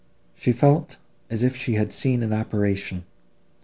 —She felt, as if she had seen an apparition.